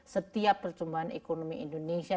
setiap percumbangan ekonomi indonesia